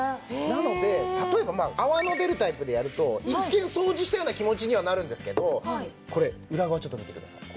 なので例えばまあ泡の出るタイプでやると一見掃除したような気持ちにはなるんですけどこれ裏側をちょっと見てください。